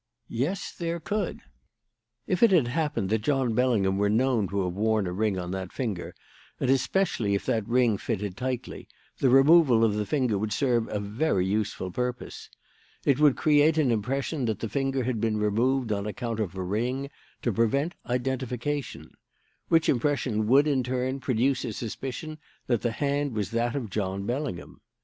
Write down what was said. Yes, there could. "If it had happened that John Bellingham were known to have worn a ring on that finger, and especially if that ring fitted tightly, the removal of the finger would serve a very useful purpose. It would create an impression that the finger had been removed on account of a ring, to prevent identification; which impression would, in turn, produce a suspicion that the hand was that of John Bellingham.